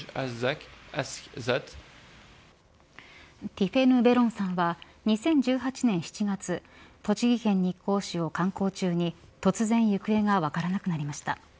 ティフェヌ・ベロンさんは２０１８年７月栃木県日光市を観光中に突然行方が分からなくなりました。